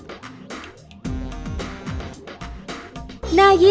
จุดที่๓รวมภาพธนบัตรที่๙